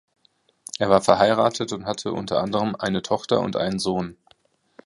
Er war verheiratet und hatte unter anderem eine Tochter und einen Sohn.